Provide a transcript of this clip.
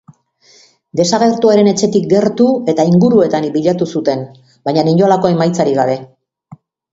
Desagertuaren etxetik gertu eta inguruetan bilatu zuten, baina inolako emaitzarik gabe.